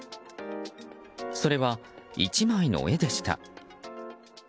それは、１枚の絵でした。